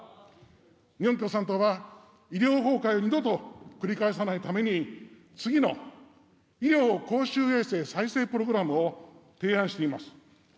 日本共産党は、医療崩壊を二度と繰り返さないために、次の医療・公衆衛生再生プログラムを提案しています。